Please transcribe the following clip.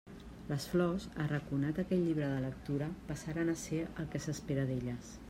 Les flors, arraconat aquell llibre de lectura, passaren a ser el que s'espera d'elles.